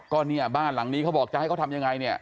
ก็เนี่ยบ้านหลังนี้เขาบอกจะให้เขาทำยังไงเนี่ย